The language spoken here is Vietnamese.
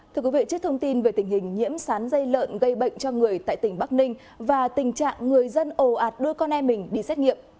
thưa quý vị trước thông tin về tình hình nhiễm sán dây lợn gây bệnh cho người tại tỉnh bắc ninh và tình trạng người dân ồ ạt đưa con em mình đi xét nghiệm